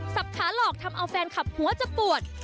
ขาหลอกทำเอาแฟนคลับหัวจะปวด